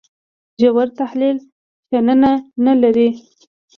ژور تحلیل شننه نه لري.